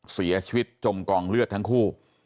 เสียชีวิตจมกองเลือดทั้งคู่